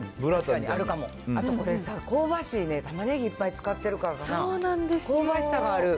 あとこれ香ばしいね、たまねぎいっぱい使ってるからかな、香ばしさがある。